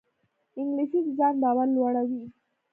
انګلیسي د ځان باور لوړوي